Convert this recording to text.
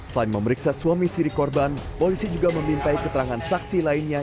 selain memeriksa suami siri korban polisi juga memintai keterangan saksi lainnya